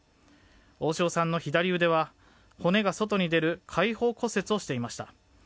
大塩さんの左腕は骨が外に出る開放骨折をしていました。